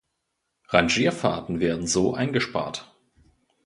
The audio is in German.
Rangierfahrten werden so eingespart.